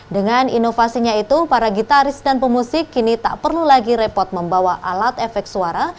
dengan inovasinya itu para gitaris dan pemusik kini tak perlu lagi repot membawa alat efek suara